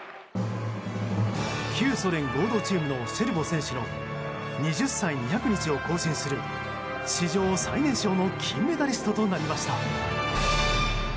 旧ソ連合同チームのシェルボ選手の２０歳２００日を更新する史上最年少の金メダリストとなりました。